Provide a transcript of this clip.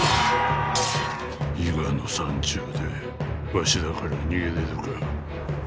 伊賀の山中でわしらから逃げれるか。